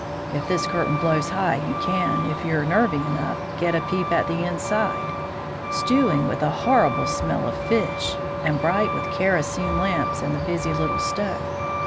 If this curtain blows high you can, if you're nervy enough, get a peep at the inside, stewing with a horrible smell of fish, and bright with kerosene lamps and the busy little stove.